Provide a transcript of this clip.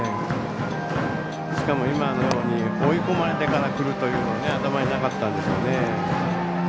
しかも今のように追い込まれてからくるというのは頭になかったんでしょうね。